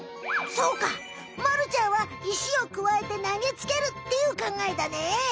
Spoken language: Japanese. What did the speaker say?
そうかまるちゃんは石をくわえてなげつけるっていうかんがえだね。